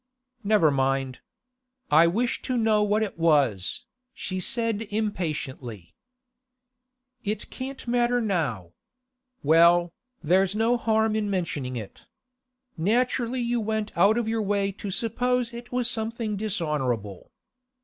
'Never mind. I wish to know what it was,' she said impatiently. 'It can't matter now. Well, there's no harm in mentioning it. Naturally you went out of your way to suppose it was something dishonourable.